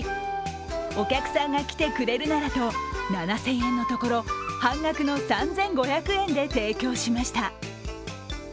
お客さんが来てくれるならと７０００円のところ半額の３５００円で提供しました。